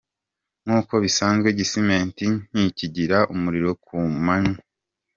Nkuko bisanzwe Gisimenti ntikigira umuriro kumanywa.